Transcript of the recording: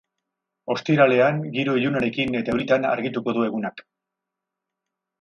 Ostiralean, giro ilunarekin eta euritan argituko du egunak.